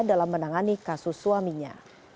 dalam menangani kasus suaminya